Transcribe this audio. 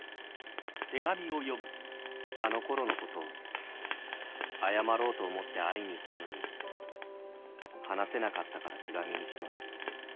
「あのころのこと謝ろうと思って会いに行ったのに話せなかったから手紙にします」